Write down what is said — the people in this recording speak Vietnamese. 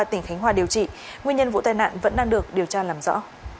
tỉnh khánh hòa điều trị nguyên nhân vụ tai nạn vẫn đang được điều tra làm rõ